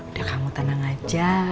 udah kamu tenang aja